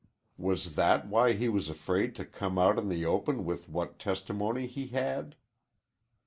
Was that why he was afraid to come out in the open with what testimony he had?